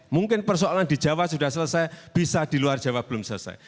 mungkin persoalan di jawa sudah selesai bisa di luar jawa belum selesai